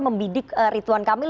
membidik ridwan kamil